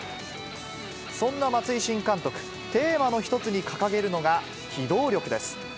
そんな松井新監督、テーマの一つに掲げるのが、機動力です。